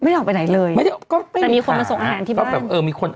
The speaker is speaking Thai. ไม่ออกไปไหนเลยแต่มีคนมาส่งอาหารที่บ้าน